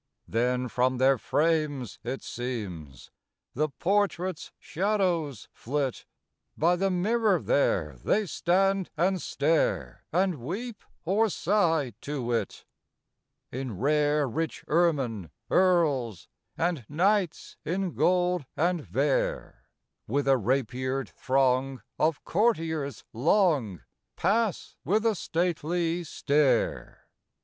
Then from their frames, it seems, The portraits' shadows flit; By the mirror there they stand and stare And weep or sigh to it. In rare rich ermine, earls And knights in gold and vair, With a rapiered throng of courtiers long Pass with a stately stare.